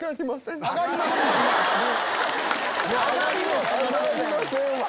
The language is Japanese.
上がりませんわ。